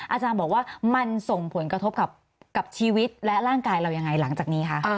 อาจารย์บอกว่ามันส่งผลกระทบกับชีวิตและร่างกายเรายังไงหลังจากนี้คะ